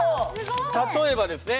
例えばですね